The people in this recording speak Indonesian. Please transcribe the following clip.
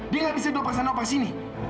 dia nggak bisa beroperasi operasi ini